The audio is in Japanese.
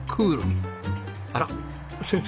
あらっ先生